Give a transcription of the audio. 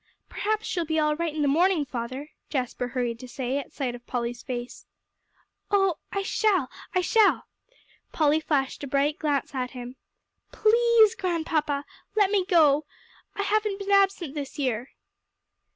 "Perhaps she'll be all right in the morning, father," Jasper hurried to say, at sight of Polly's face. "Oh, I shall I shall." Polly flashed a bright glance at him. "Please, Grandpapa, let me go. I haven't been absent this year."